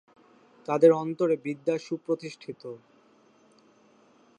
তাঁদের অন্তরে বিদ্যা সুপ্রতিষ্ঠিত।